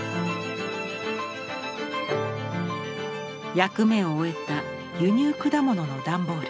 役目を終えた輸入果物の段ボール。